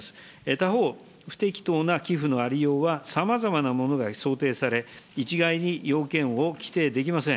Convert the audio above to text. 他方、不適当な寄付のありようはさまざまなものが想定され、一概に要件を規定できません。